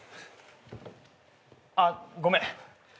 あっごめん。